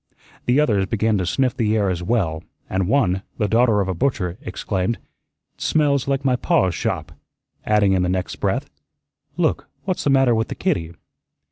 The others began to sniff the air as well, and one, the daughter of a butcher, exclaimed, "'Tsmells like my pa's shop," adding in the next breath, "Look, what's the matter with the kittee?"